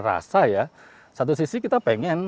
rasa ya satu sisi kita pengen